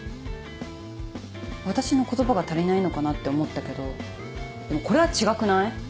私の言葉が足りないのかなって思ったけどでもこれは違くない？